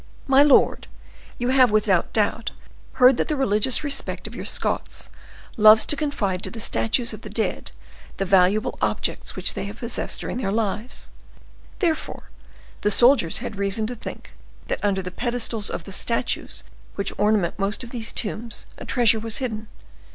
"My lord, you have, without doubt, heard that the religious respect of your Scots loves to confide to the statues of the dead the valuable objects they have possessed during their lives. Therefore, the soldiers had reason to think that under the pedestals of the statues which ornament most of these tombs, a treasure was hidden.